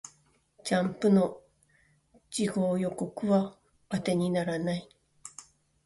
ジャンプの次号予告は当てにならない